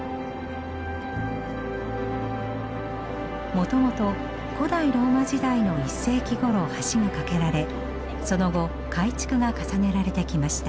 もともと古代ローマ時代の１世紀ごろ橋が架けられその後改築が重ねられてきました。